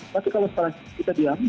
tapi kalau setelah kita diam